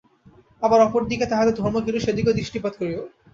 আবার অপরদিকে তাহাদের ধর্ম কিরূপ, সেদিকেও দৃষ্টিপাত করিও।